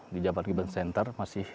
di jabal gibbon center masih